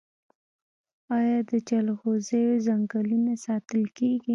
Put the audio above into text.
آیا د جلغوزیو ځنګلونه ساتل کیږي؟